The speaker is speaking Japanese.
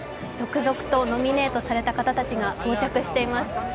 続々とノミネートされた方たちが到着しています。